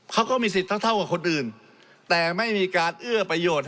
เขาก็มีสิทธิ์เท่ากับคนอื่นแต่ไม่มีการเอื้อประโยชน์